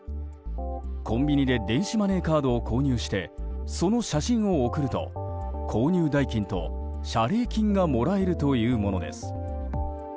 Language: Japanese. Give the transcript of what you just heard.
コンビニで電子マネーカードを購入して、その写真を送ると購入代金と謝礼金がもらえるというものです。